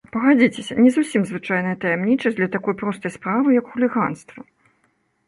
Пагадзіцеся, не зусім звычайная таямнічасць для такой простай справы, як хуліганства!